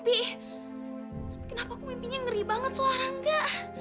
tapi kenapa aku mimpinya ngeri banget suara enggak